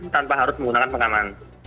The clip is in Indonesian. tanpa harus menggunakan pengaman